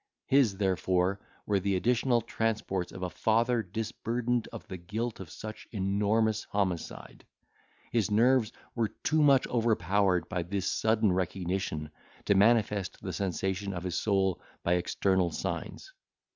His, therefore, were the additional transports of a father disburdened of the guilt of such enormous homicide. His nerves were too much overpowered by this sudden recognition, to manifest the sensation of his soul by external signs.